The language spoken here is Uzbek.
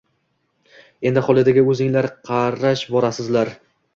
Endi Xolidaga o`zinglar qarashvorarsizlar